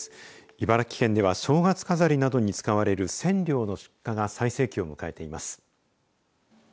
茨城県では正月飾りなどに使われるセンリョウの出荷が最盛期を迎えています。